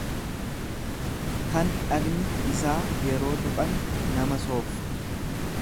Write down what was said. kan dhagni isaa yeroo tuqan nama sooksu.